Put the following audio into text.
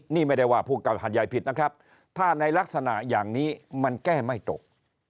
นี่ไม่ได้ว่าผู้เก่าหาดใหญ่ผิดนะครับถ้าในลักษณะอย่างนี้มันแก้ไม่ตก